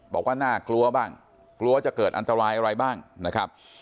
บอกว่าน่ากลัวบ้างกลัวจะเกิดอันตรายอะไรบ้างนะครับ